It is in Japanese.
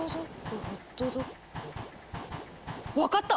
分かった！